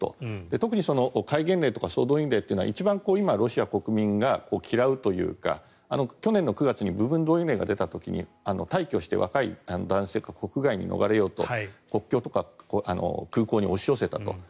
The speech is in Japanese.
特に、戒厳令とか総動員令は一番、今ロシアの国民が嫌うというか去年の９月に部分動員令が出た時に大挙して若い男性が国外に逃れようと国境とか空港に押し寄せたと。